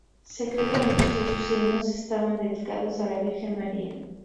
Se cree que muchos de sus himnos estaban dedicados a la Virgen María.